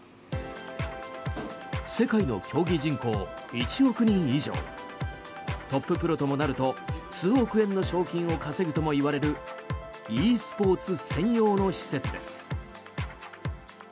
世界の競技人口１億人以上トッププロともなると数億円の賞金を稼ぐともいわれるｅスポーツ専用の施設です。